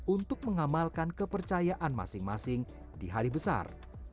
untuk mengamalkan kepercayaan masing masing di hari besar